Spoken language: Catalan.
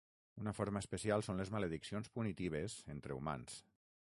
Una forma especial són les malediccions punitives entre humans.